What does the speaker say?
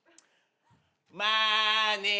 「まあねぇ」